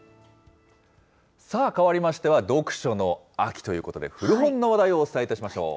さあ、かわりましては、読書の秋ということで、古本の話題をお伝えいたしましょう。